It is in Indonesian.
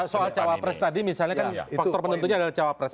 soal cawapres tadi misalnya kan faktor penentunya adalah cawapres